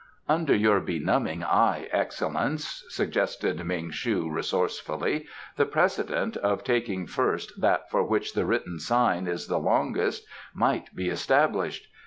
"Under your benumbing eye, Excellence," suggested Ming shu resourcefully, "the precedent of taking first that for which the written sign is the longest might be established.